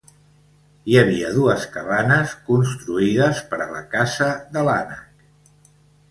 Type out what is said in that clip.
Hi havia dues cabanes construïdes per a la caça de l'ànec.